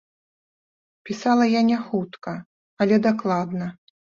Пісала я няхутка, але дакладна.